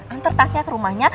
anter tasnya ke rumahnya